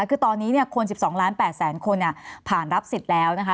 คือตอนนี้คน๑๒ล้าน๘แสนคนผ่านรับสิทธิ์แล้วนะคะ